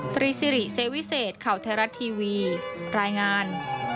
ตรีซิริเซวิเศษข่าวไทยรัฐทีวีรายงาน